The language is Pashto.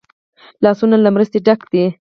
لاسونه له مرستې ډک دي